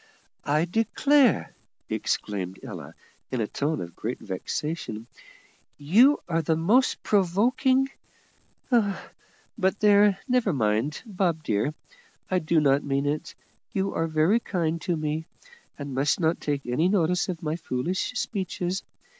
"I declare," exclaimed Ella, in a tone of great vexation, "you are the most provoking But there, never mind, Bob dear, I do not mean it; you are very kind to me, and must not take any notice of my foolish speeches.